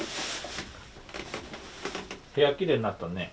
部屋きれいになったね。